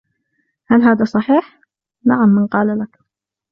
" هل هذا صحيح ؟"" نعم ، من قال لك ؟"